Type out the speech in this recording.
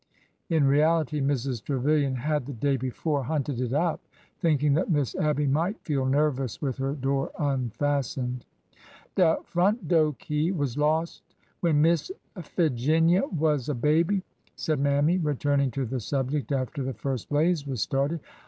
In reality, Mrs. Tre vilian had the day before hunted it up, thinking that Miss Abby might feel nervous with her door unfastened. De front do' key was lost when Miss Figinia was a baby," said Mammy, returning to the subject after the first blaze was started.